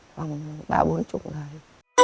khoảng ba bốn mươi người